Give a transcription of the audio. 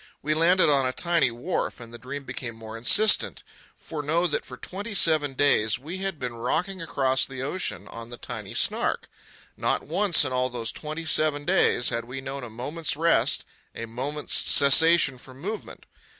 We landed on a tiny wharf, and the dream became more insistent; for know that for twenty seven days we had been rocking across the ocean on the tiny Snark. Not once in all those twenty seven days had we known a moment's rest, a moment's cessation from movement.